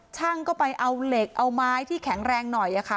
ช่างก็ไปเอาเหล็กเอาไม้ที่แข็งแรงหน่อยค่ะ